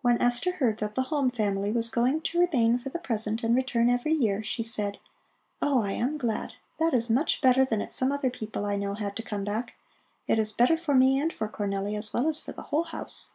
When Esther heard that the Halm family was going to remain for the present and return every year, she said: "Oh, I am glad. That is much better than if some other people I know had to come back. It is better for me and for Cornelli, as well as for the whole house."